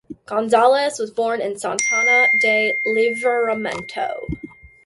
Gonzalez was born in Santana do Livramento.